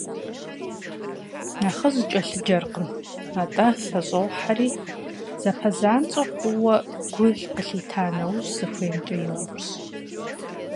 Нэхъыжь кӀэлъыджэркъым, атӀэ лъэщӀохьэри, зэпэзанщӀэ хъууэ гу къылъита нэужь, зыхуеймкӀэ йоупщӀ.